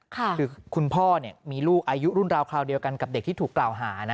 คือคุณพ่อมีลูกอายุรุ่นราวคราวเดียวกันกับเด็กที่ถูกกล่าวหานะ